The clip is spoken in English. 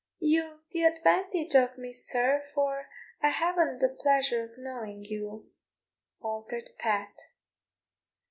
"You've the advantage of me, sir, for I havna' the pleasure of knowing you," faltered Pat.